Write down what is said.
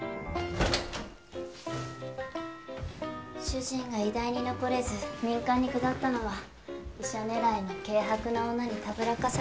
・主人が医大に残れず民間に下ったのは医者狙いの軽薄な女にたぶらかされたせいだって。